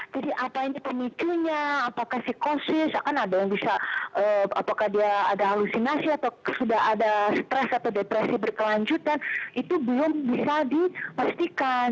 jadi apa ini penicunya apakah psikosis apakah dia ada halusinasi atau sudah ada stres atau depresi berkelanjutan itu belum bisa dipastikan